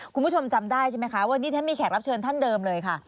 คุณผู้ชมจำได้ใช่ไหมคะวันนี้ฉันมีแขกรับเชิญท่านเดิมเลยค่ะ